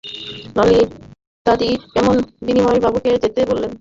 ললিতাদিদি, কেন বিনয়বাবুকে যেতে বললে!